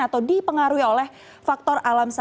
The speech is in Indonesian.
atau dipengaruhi oleh faktor alam